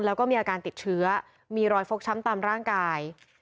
แล้วก็มีอาการติดเชื้อมีรอยฟกช้ำตามร่างกาย